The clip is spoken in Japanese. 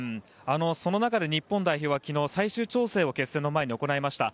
その中で日本代表は最終調整を決戦の前に行いました。